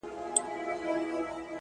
زما د اوښکو په سمار راته خبري کوه،